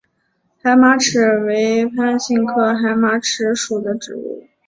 海马齿为番杏科海马齿属的植物。